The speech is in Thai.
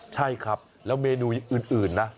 ใช่ครับแล้วเมนูอื่นนะ